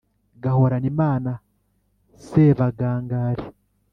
Gahorane Imana Sebagangali!